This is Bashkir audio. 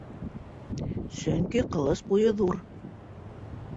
Сөнки Ҡылыс буйы ҙур.